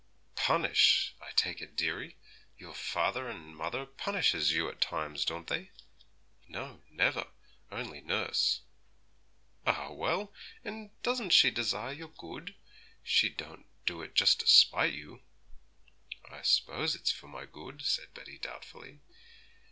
'Punish, I take it, dearie, your father and mother punishes you at times, don't they?' 'No, never; only nurse.' 'Ah, well; and doesn't she desire your good? She don't do it just to spite you.' 'I s'pose it's for my good,' said Betty doubtfully.